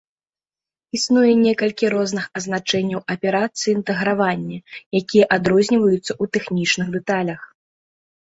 Існуе некалькі розных азначэнняў аперацыі інтэгравання, якія адрозніваюцца ў тэхнічных дэталях.